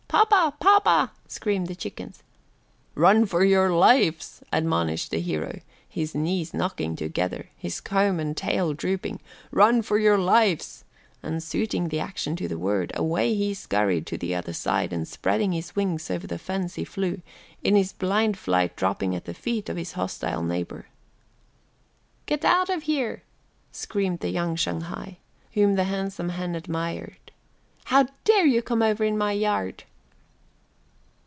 "Papa, papa!" screamed the chicks. "Run for your lives," admonished that hero, his knees knocking together, his comb and tail drooping, "run for your lives," and suiting the action to the word; away he scurried to the other side, and spreading his wings over the fence he flew, in his blind flight dropping at the feet of his hostile neighbor. "Get out of here," screamed the young Shanghai, whom the handsome hen admired, "How dare you come over in my yard?"